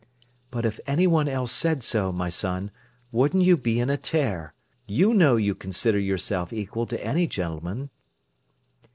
"But if anyone else said so, my son, wouldn't you be in a tear. You know you consider yourself equal to any gentleman."